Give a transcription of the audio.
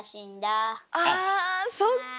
あそっか！